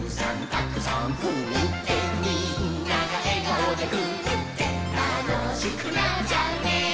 「たのしくなっちゃうね」